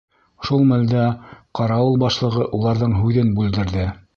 Шул мәлдә ҡарауыл башлығы уларҙың һүҙен бүлдерҙе.